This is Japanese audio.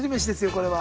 これは。